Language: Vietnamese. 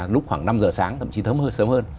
lúc khoảng năm giờ sáng thậm chí sớm hơn